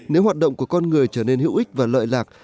nếu hoạt động của con người trở nên hữu ích và lợi lạc